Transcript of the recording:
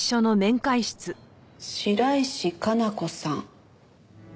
白石佳奈子さん